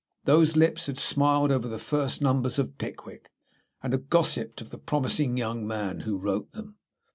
Those lips had smiled over the first numbers of "Pickwick," and had gossiped of the promising young man who wrote them.